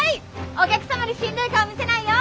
お客様にしんどい顔見せないよ！